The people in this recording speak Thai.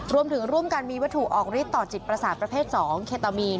รวมถึงร่วมกันมีวัตถุออกฤทธิต่อจิตประสาทประเภท๒เคตามีน